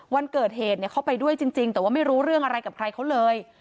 วันเกิดเหตุเขาไปด้วยจริงแต่ว่าไม่รู้เรื่องอะไรกับใครเขาเลย